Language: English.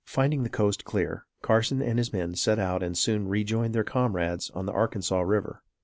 Finding the coast clear, Carson and his men set out and soon rejoined their comrades on the Arkansas River.